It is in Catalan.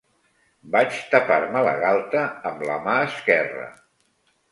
Vaig tapar-me la galta amb la mà esquerra